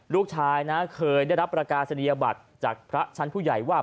ลูกชายนะเคยได้รับประกาศนียบัตรจากพระชั้นผู้ใหญ่ว่า